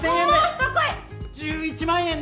１１万円で！